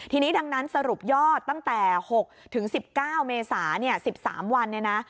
ทีนี้ดังนั้นสรุปยอดตั้งแต่๖๑๙เมษา๑๓วันเนี่ยนะ